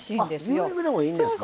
あ牛肉でもいいんですか。